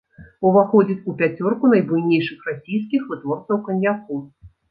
Уваходзіць у пяцёрку найбуйнейшых расійскіх вытворцаў каньяку.